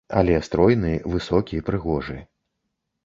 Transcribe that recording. Але стройны, высокі, прыгожы.